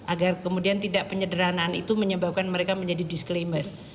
agar kemudian tidak penyederhanaan itu menyebabkan mereka menjadi disclaimer